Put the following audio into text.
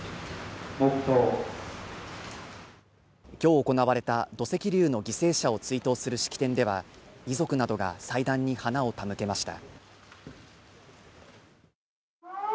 今日行われた土石流の犠牲者を追悼する式典では、遺族などが祭壇に花を手向けました。